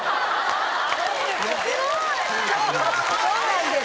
そうそうなんです。